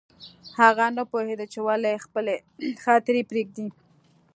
هغه نه پوهېده چې ولې خپلې خاطرې پرېږدي